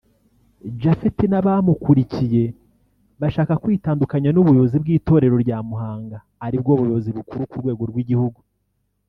Japhet n’abamukurikiye bashaka kwitandukanya n’ubuyobozi bw’itorero rya Muhanga aribwo buyobozi bukuru ku rwego rw’igihugu